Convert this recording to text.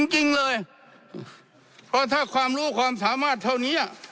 จริงเลยเพราะถ้าความรู้ความสามารถเท่านี้